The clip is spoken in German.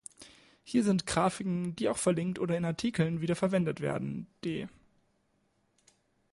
Hier sind Grafiken, die auch verlinkt oder in Artikeln wieder verwendet werden d